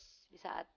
terus di saat